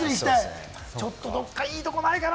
どこかいいとこないかな？